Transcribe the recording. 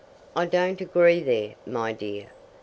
"I don't agree there, my dear!